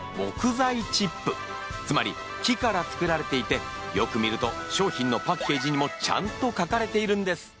つまり木から作られていてよく見ると商品のパッケージにもちゃんと書かれているんです。